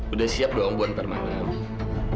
udah siap doang buat permainan